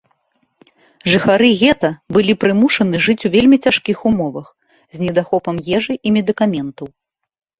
Жыхары гета былі прымушаны жыць у вельмі цяжкіх умовах, з недахопам ежы і медыкаментаў.